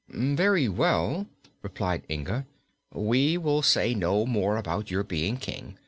"Very well," replied Inga, "we will say no more about your being King.